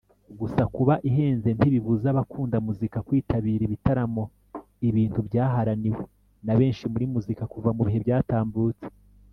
gusa kuba ihenze ntibibuza abakunda muzika kwitabira ibitaramo ibintu byaharaniwe na benshi muri muzika kuva mu bihe byatambutse